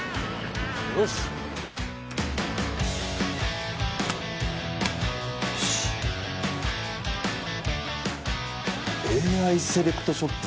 よしよしＡＩセレクトショップ？